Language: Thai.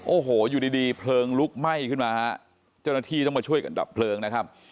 โอ้โหอยู่ดีดีเพลิงลุกไหม้ขึ้นมาฮะเจ้าหน้าที่ต้องมาช่วยกันดับเพลิงนะครับ